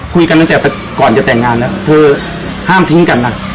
คุยกันตั้งแต่ก่อนจะแต่งงานแล้วเธอห้ามทิ้งกันนะ